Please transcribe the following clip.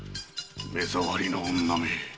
目障りな女め！